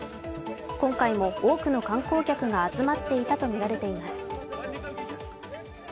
今回も多くの観光客が集まっていたとみられています。